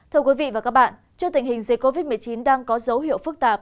thưa quý vị và các bạn trước tình hình dịch covid một mươi chín đang có dấu hiệu phức tạp